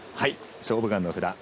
「勝負眼」の札。